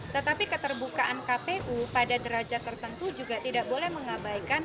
tetapi keterbukaan kpu pada derajat tertentu juga tidak boleh mengabaikan